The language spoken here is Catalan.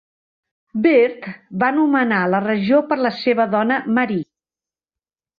Byrd va anomenar la regió per la seva dona Marie.